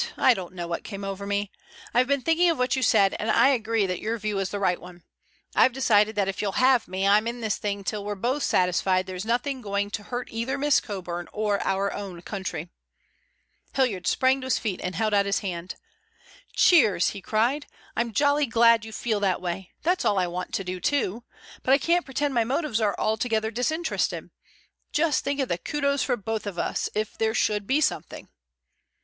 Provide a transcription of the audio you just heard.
I don't know what came over me. I've been thinking of what you said, and I agree that your view is the right one. I've decided that if you'll have me, I'm in this thing until we're both satisfied there's nothing going to hurt either Miss Coburn or our own country." Hilliard sprang to his feet and held out his hand. "Cheers!" he cried. "I'm jolly glad you feel that way. That's all I want to do too. But I can't pretend my motives are altogether disinterested. Just think of the kudos for us both if there should be something."